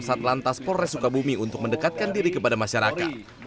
satlantas polres sukabumi untuk mendekatkan diri kepada masyarakat